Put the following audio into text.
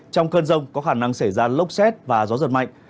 trong cơn rông có khả năng xảy ra lốc xét và gió giật mạnh